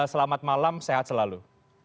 selamat malam sehat selalu